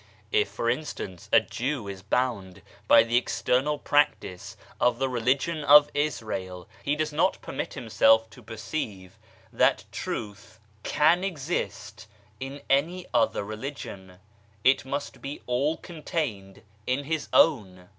If, for instance, a Jew is bound by the external practice of the Religion of Israel, he does not permit himself to perceive that Truth can exist in any other Religion ; it must be all contained in his own